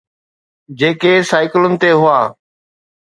جيڪي سائيڪلن تي هئا.